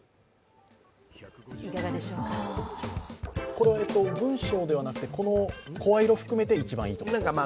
これは文章ではなくて、この声色含めて、一番いいということですか？